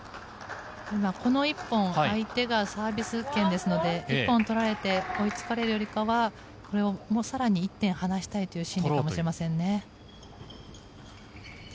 今、相手がサービス権ですので１本取られて追いつかれるよりはこれを更に１点、離したいという心理かも知れませんね。